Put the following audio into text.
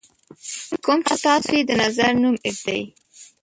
کوم چې تاسو یې د نظر نوم ږدئ.